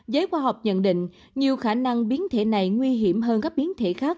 giới khoa học nhận định nhiều khả năng biến thể này nguy hiểm hơn các biến thể khác